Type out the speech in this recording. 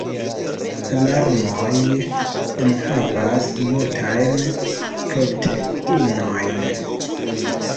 La larmoj enhavas multajn proteinojn.